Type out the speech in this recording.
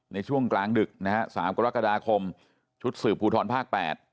ในช่วงกลางดึกนะฮะสามกรกฎาคมชุดสืบภูทรภาค๘